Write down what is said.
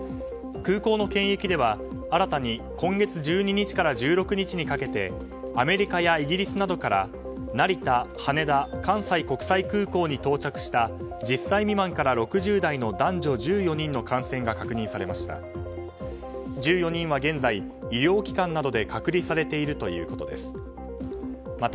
空港の検疫では新たに今月１２日から１６日にかけてアメリカやイギリスなどから成田、羽田、関西国際空港に到着した１０歳未満から６０代の男女１４人の感染が確認されました。